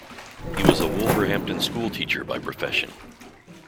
He was a Wolverhampton school teacher by profession.